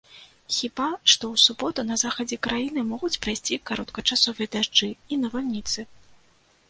Хіба што ў суботу на захадзе краіны могуць прайсці кароткачасовыя дажджы і навальніцы.